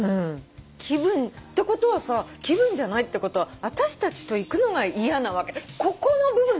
気分ってことはさ気分じゃないってことは私たちと行くのが嫌なわけここの部分だよね。